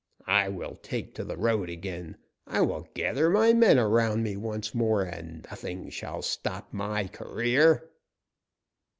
I will take to the road again; I will gather my men around me once more, and nothing shall stop my career."